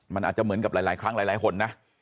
มันอาจจะเหมือนกับหลายครั้งหลายคนนะ